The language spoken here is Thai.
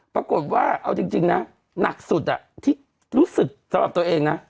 ปรากฏว่าเอาจริงนะหนักสุดที่รู้สึกสำหรับตัวเองนะ